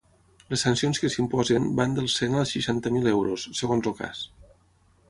Les sancions que s’imposen van dels cent als seixanta mil euros, segons el cas.